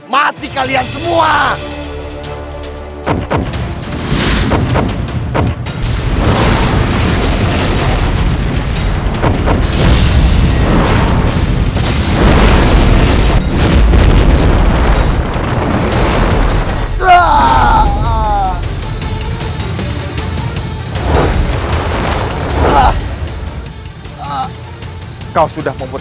mati kalian semua